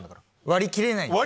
割り切れない。